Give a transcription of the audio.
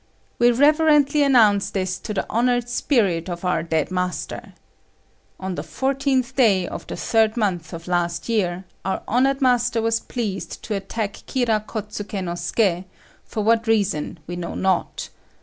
We reverently announce this to the honoured spirit of our dead master. On the 14th day of the third month of last year our honoured master was pleased to attack Kira Kôtsuké no Suké, for what reason we know not.